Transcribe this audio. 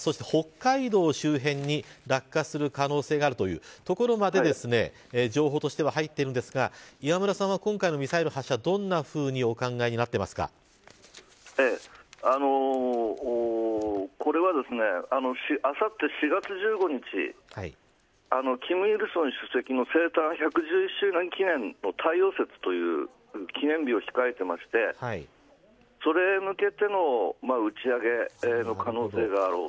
北海道周辺に落下する可能性があるというところまで情報としては入っているんですが磐村さんは、今回のミサイル発射どんなふうにこれは、あさって、４月１５日金日成主席の生誕１１０周年記念の記念日を控えていてそれに向けての打ち上げの可能性がある。